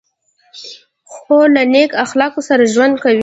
خور له نیک اخلاقو سره ژوند کوي.